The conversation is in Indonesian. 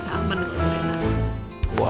aman ya bu rena